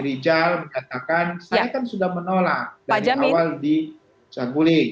dari riki rijal mengatakan saya kan sudah menolak dari awal di sabuli